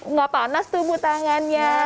nggak panas tuh bu tangannya